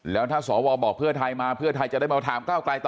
แล้วถ้าสวบอกเพื่อไทยม้าเพื่อไทยจะได้มาถาม